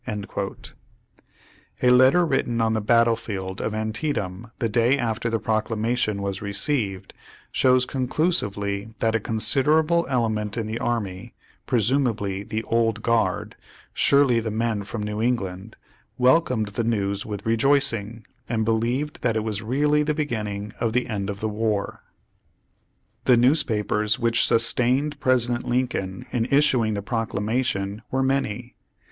^ A letter written on the battle field of Antietam the day after the Proclamation was received, shows conclusively that a considerable element in the army, presumably the "old guard," surely the men from New England, welcomed the news with rejoicing, and believed that it was really the beginning of the end of the war. ^National Anti Slavery Standard. October 4, 1862, p. 2. 14 Page One Hundred six The newspapers which sustained President Lincoln in issuing the Proclamation were many.